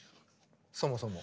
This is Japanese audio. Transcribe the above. そもそも。